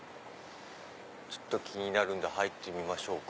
ちょっと気になるんで入ってみましょうか。